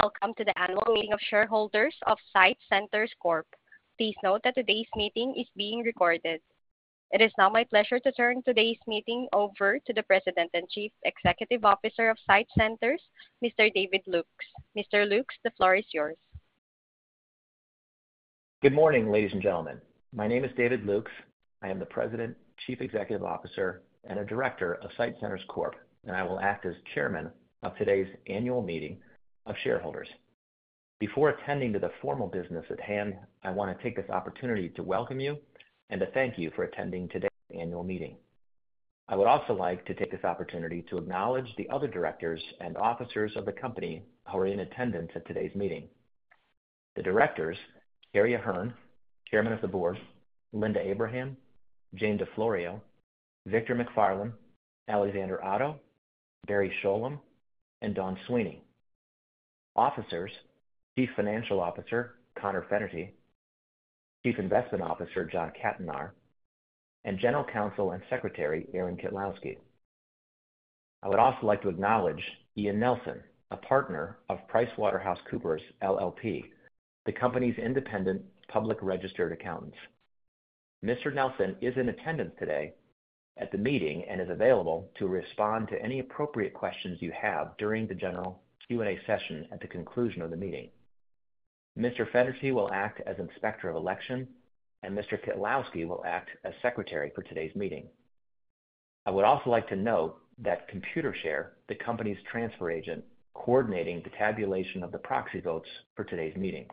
Hello, and welcome to the Annual Meeting of Shareholders of SITE Centers Corp. Please note that today's meeting is being recorded. It is now my pleasure to turn today's meeting over to the President and Chief Executive Officer of SITE Centers, Mr. David Lukes. Mr. Lukes, the floor is yours. Good morning, ladies and gentlemen. My name is David Lukes. I am the President, Chief Executive Officer, and a Director of SITE Centers Corp., and I will act as Chairman of today's annual meeting of shareholders. Before attending to the formal business at hand, I wanna take this opportunity to welcome you and to thank you for attending today's annual meeting. I would also like to take this opportunity to acknowledge the other directors and officers of the company who are in attendance at today's meeting. The directors, Terry Ahern, Chairman of the Board, Linda Abraham, Jane DeFlorio, Victor MacFarlane, Alexander Otto, Barry Sholem, and Dawn Sweeney. Officers, Chief Financial Officer, Conor Fennerty, Chief Investment Officer, John Cattonar, and General Counsel and Secretary, Aaron Kitlowski. I would also like to acknowledge Ian Nelson, a partner of PricewaterhouseCoopers LLP, the company's independent public registered accountant. Mr. Nelson is in attendance today at the meeting and is available to respond to any appropriate questions you have during the general Q&A session at the conclusion of the meeting. Mr. Fennerty will act as Inspector of Election, and Mr. Kitlowski will act as Secretary for today's meeting. I would also like to note that Computershare, the company's transfer agent, coordinating the tabulation of the proxy votes for today's meeting.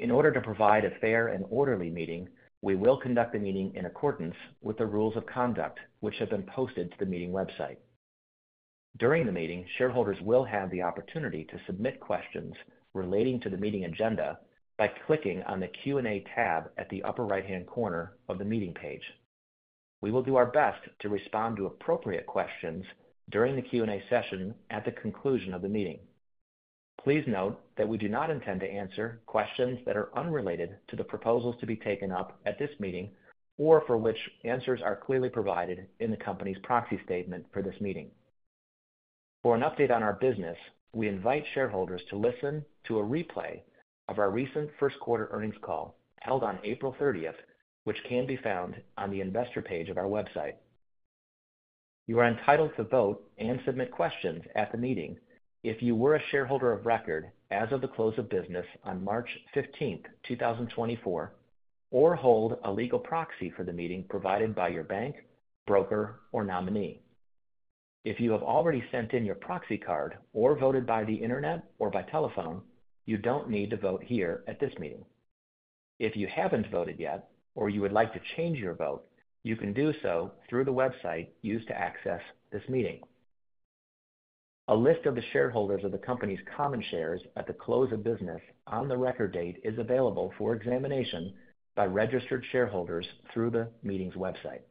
In order to provide a fair and orderly meeting, we will conduct the meeting in accordance with the rules of conduct, which have been posted to the meeting website. During the meeting, shareholders will have the opportunity to submit questions relating to the meeting agenda by clicking on the Q&A tab at the upper right-hand corner of the meeting page. We will do our best to respond to appropriate questions during the Q&A session at the conclusion of the meeting. Please note that we do not intend to answer questions that are unrelated to the proposals to be taken up at this meeting, or for which answers are clearly provided in the company's proxy statement for this meeting. For an update on our business, we invite shareholders to listen to a replay of our recent first quarter earnings call, held on April 30th, which can be found on the investor page of our website. You are entitled to vote and submit questions at the meeting if you were a shareholder of record as of the close of business on March 15th, 2024, or hold a legal proxy for the meeting provided by your bank, broker, or nominee. If you have already sent in your proxy card or voted by the internet or by telephone, you don't need to vote here at this meeting. If you haven't voted yet or you would like to change your vote, you can do so through the website used to access this meeting. A list of the shareholders of the company's common shares at the close of business on the record date is available for examination by registered shareholders through the meeting's website.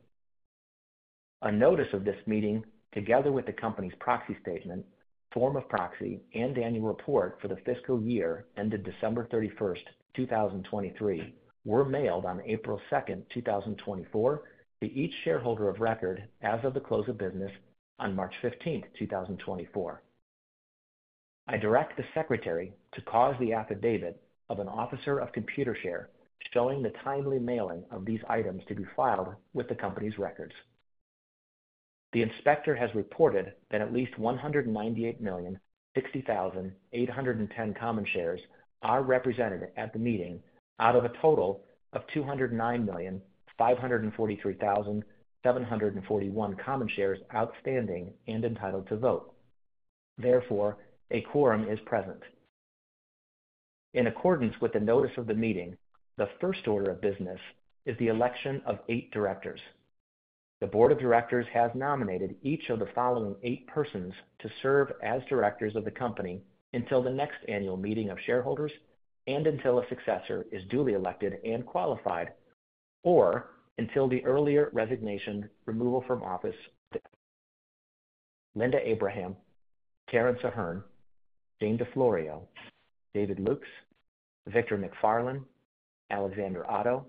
A notice of this meeting, together with the company's proxy statement, form of proxy, and annual report for the fiscal year ended December 31st, 2023, were mailed on April 2nd, 2024, to each shareholder of record as of the close of business on March 15th, 2024. I direct the secretary to cause the affidavit of an officer of Computershare, showing the timely mailing of these items to be filed with the company's records. The inspector has reported that at least 198,060,810 common shares are represented at the meeting out of a total of 209,543,741 common shares outstanding and entitled to vote. Therefore, a quorum is present. In accordance with the notice of the meeting, the 1st order of business is the election of 8 directors. The board of directors has nominated each of the following 8 persons to serve as directors of the company until the next annual meeting of shareholders and until a successor is duly elected and qualified, or until the earlier resignation, removal from office. Linda Abraham, Terrance Ahern, Jane DeFlorio, David Lukes, Victor MacFarlane, Alexander Otto,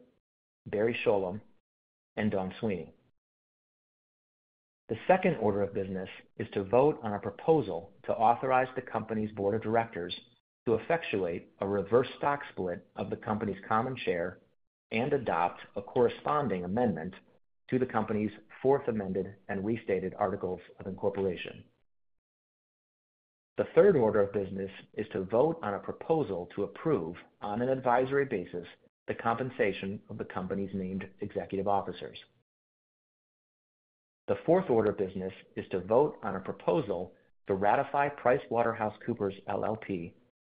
Barry Sholem, and Dawn Sweeney. The 2nd order of business is to vote on a proposal to authorize the company's board of directors to effectuate a reverse stock split of the company's common share and adopt a corresponding amendment to the company's Fourth Amended and Restated Articles of Incorporation. The third order of business is to vote on a proposal to approve, on an advisory basis, the compensation of the company's named executive officers. The 4th order of business is to vote on a proposal to ratify PricewaterhouseCoopers LLP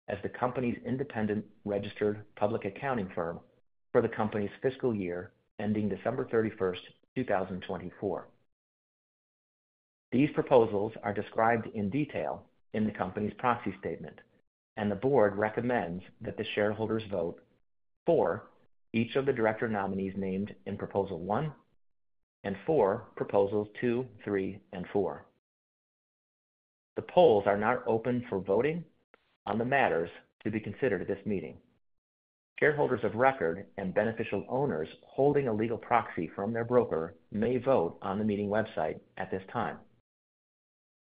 as the company's independent registered public accounting firm for the company's fiscal year ending December 31st, 2024. These proposals are described in detail in the company's proxy statement, and the board recommends that the shareholders vote for each of the director nominees named in proposal one and for proposals two, three, and four. The polls are now open for voting on the matters to be considered at this meeting. Shareholders of record and beneficial owners holding a legal proxy from their broker may vote on the meeting website at this time.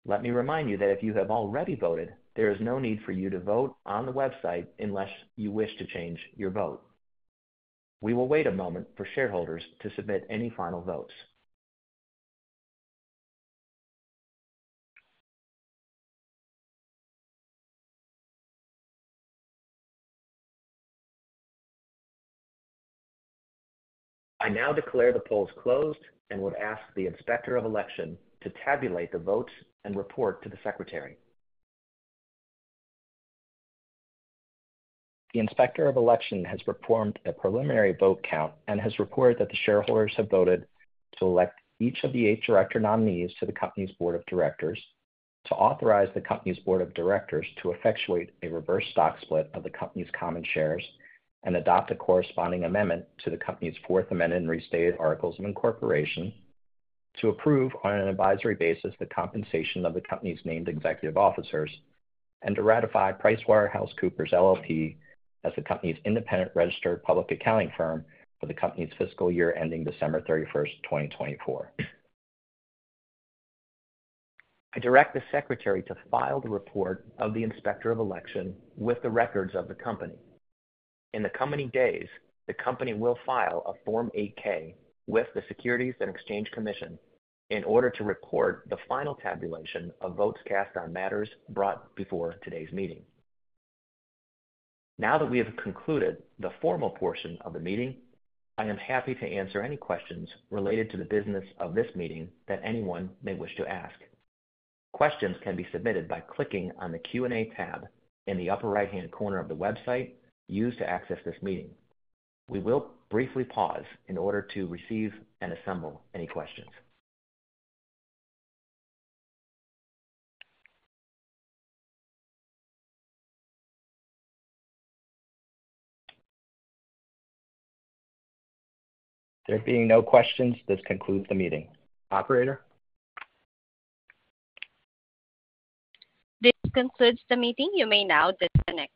Let me remind you that if you have already voted, there is no need for you to vote on the website unless you wish to change your vote. We will wait a moment for shareholders to submit any final votes. I now declare the polls closed and would ask the Inspector of Election to tabulate the votes and report to the Secretary. The Inspector of Election has performed a preliminary vote count and has reported that the shareholders have voted to elect each of the 8 director nominees to the company's board of directors, to authorize the company's board of directors to effectuate a reverse stock split of the company's common shares and adopt a corresponding amendment to the company's Fourth Amended and Restated Articles of Incorporation, to approve, on an advisory basis, the compensation of the company's named executive officers, and to ratify PricewaterhouseCoopers LLP as the company's independent registered public accounting firm for the company's fiscal year ending December 31st, 2024. I direct the Secretary to file the report of the Inspector of Election with the records of the company. In the coming days, the company will file a Form 8-K with the Securities and Exchange Commission in order to record the final tabulation of votes cast on matters brought before today's meeting. Now that we have concluded the formal portion of the meeting, I am happy to answer any questions related to the business of this meeting that anyone may wish to ask. Questions can be submitted by clicking on the Q&A tab in the upper right-hand corner of the website used to access this meeting. We will briefly pause in order to receive and assemble any questions. There being no questions, this concludes the meeting. Operator? This concludes the meeting. You may now disconnect.